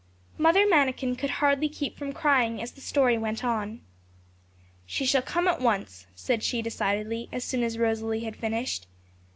Mother Manikin could hardly keep from crying as the story went on. 'She shall come at once,' said she decidedly, as soon as Rosalie had finished.